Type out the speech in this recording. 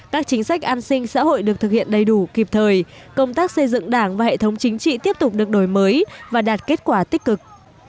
các chính sách an sinh xã hội được thực hiện đầy đủ kịp thời công tác xây dựng đảng và hệ thống chính trị tiếp tục được đổi mới và đạt kết quả tích cực